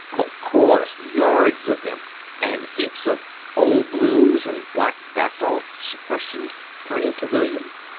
"Of course yards of them!" "And heaps of 'Old Blues' and 'black basalts'?" she questioned, turning to William.